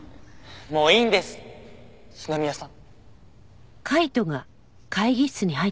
もういいんです篠宮さん。